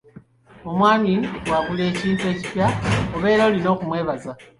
Omwami bw'agula ekintu ekipya obeera olina okumwebaza.